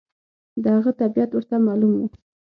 د هغه طبیعت ورته معلوم و.